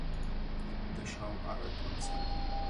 The show aired on Syfy.